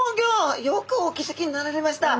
よくお気付きになられました。